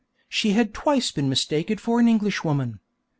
She had twice been mistaken for an Englishwoman.